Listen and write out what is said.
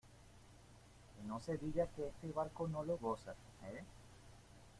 ¡ que no se diga que este barco no lo goza! ¿ eh?